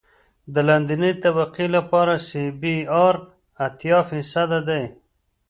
د لاندنۍ طبقې لپاره سی بي ار اتیا فیصده دی